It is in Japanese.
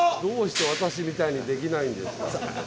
どうして私みたいにできないんですか？